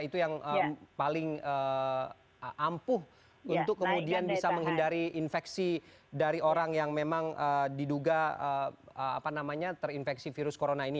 itu yang paling ampuh untuk kemudian bisa menghindari infeksi dari orang yang memang diduga terinfeksi virus corona ini